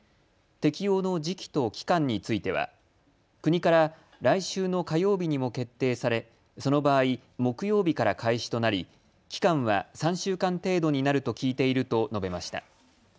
適用の時期と期間については国から来週の火曜日にも決定されその場合、木曜日から開始となり、期間は３週間程度になると聞いていると述べました。